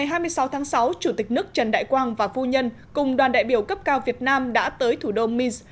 ngày hai mươi sáu tháng sáu chủ tịch nước trần đại quang và phu nhân cùng đoàn đại biểu cấp cao việt nam đã tới thủ đô minsk